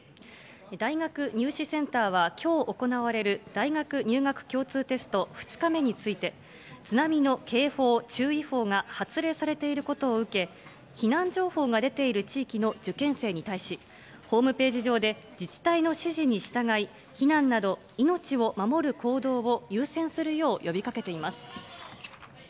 大学入試センターは、きょう行われる大学入学共通テスト２日目について、津波の警報、注意報が発令されていることを受け、避難情報が出ている地域の受験生に対し、ホームページ上で、自治体の指示に従い、避難など、命を守る行動を優先するよう呼びかけています。